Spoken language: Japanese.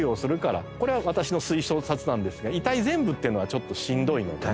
これは私の推察なんですが遺体全部っていうのはちょっとしんどいのでね。